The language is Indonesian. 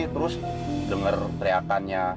terus denger teriakannya